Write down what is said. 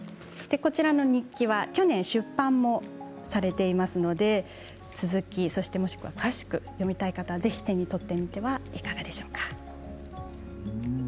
こちらの日記は去年出版もされていますので続き、そしてもしくは詳しく読みたい方はぜひ手に取ってみてはいかがでしょうか。